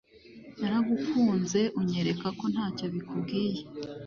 naragukunze unyereka ko ntacyo bikubwiye